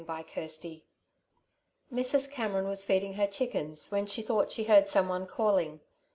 CHAPTER XLVII Mrs. Cameron was feeding her chickens when she thought she heard someone calling.